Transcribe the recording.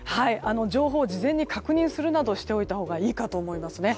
情報を事前に確認するなどしておいたほうがいいかと思いますね。